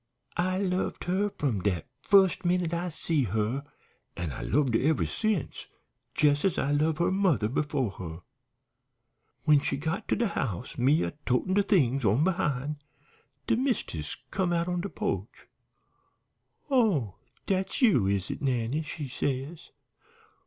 I loved her from dat fust minute I see her, an' I loved her ever since, jes' as I loved her mother befo' her. "When she got to de house, me a totin' de things on behind, de mist'ess come out on de po'ch. "'Oh, dat's you, is it, Nannie?' she says.